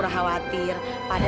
lu ngadar ga ya